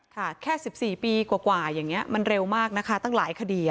แค่๑๔ปีกว่าอย่างนี้มันเร็วมากนะคะตั้งหลายคดี